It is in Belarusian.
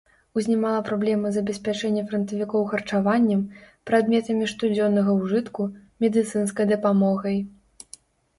Узнімала праблемы забеспячэння франтавікоў харчаваннем, прадметамі штодзённага ўжытку, медыцынскай дапамогай.